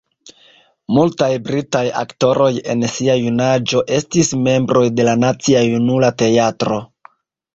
Multaj britaj aktoroj en sia junaĝo estis membroj de la Nacia Junula Teatro.